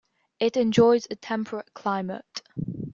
It enjoys a temperate climate.